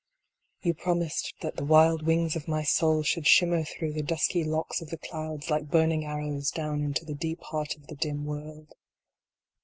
You promised that the wild wings of my soul should shimmer through the dusky locks of the clouds, like burning arrows, down into the deep heart of the dim world.